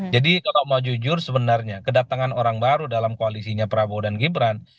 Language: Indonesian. jadi kalau mau jujur sebenarnya kedatangan orang baru dalam koalisinya prabowo dan gibran